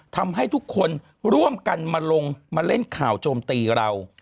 ทำให้ทุกคนร่วมกันมาลงมาเล่นข่าวโจมตีเรา